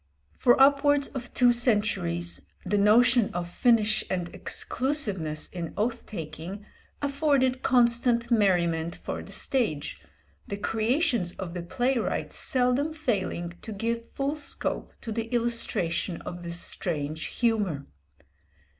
For upwards of two centuries, the notion of finish and exclusiveness in oath taking afforded constant merriment for the stage, the creations of the playwright seldom failing to give full scope to the illustration of this strange humour.